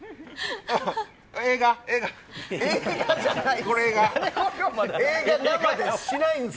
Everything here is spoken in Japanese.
映画じゃないです。